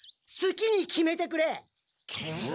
すきに決めてくれ！